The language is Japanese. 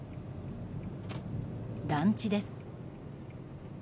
団地です。